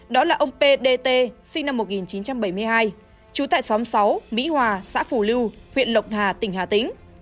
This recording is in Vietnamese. đó là ông p d t sinh năm một nghìn chín trăm bảy mươi hai trú tại xóm sáu mỹ hòa xã phủ lưu huyện lộc hà tỉnh hà tĩnh